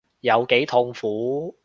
有幾痛苦